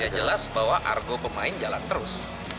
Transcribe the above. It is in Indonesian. jelas bahwa argo pemain jalan terus